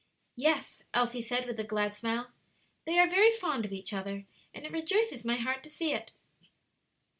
"Yes," Elsie said, with a glad smile: "they are very fond of each other, and it rejoices my heart to see it."